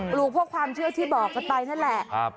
ลูกพวกความเชื่อที่บอกกันไปนั่นแหละ